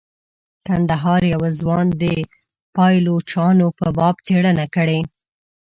کندهار یوه ځوان د پایلوچانو په باب څیړنه کړې.